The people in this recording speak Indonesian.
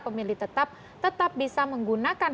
pemilih tetap tetap bisa menggunakan